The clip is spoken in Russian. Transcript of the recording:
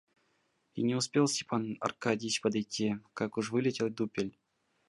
И не успел Степан Аркадьич подойти, как уж вылетел дупель.